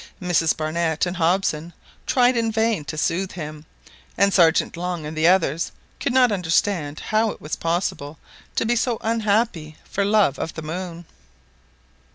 Mrs Barnett and Hobson tried in vain to soothe him, and Sergeant Long and the others could not understand how it was possible to be so unhappy for love of the moon."